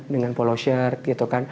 dengan polo shirt